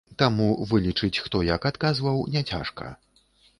Таму вылічыць, хто як адказваў, няцяжка.